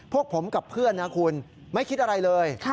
พวกผมกับเพื่อนนะคุณไม่คิดอะไรเลย